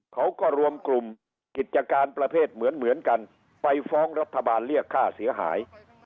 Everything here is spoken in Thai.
เขาก็รวมกลุ่มกิจการประเภทเหมือนเหมือนกันไปฟ้องรัฐบาลเรียกค่าเสียหาย